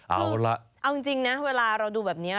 เอาจริงนะเวลาเราดูแบบนี้